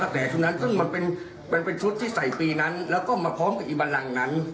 ครับผมเข้าใจว่าแต่ชุดนั้นซึ่งมันเป็นชุดที่ใส่ปีนั้นและมาพร้อมกับอีบลังนั้น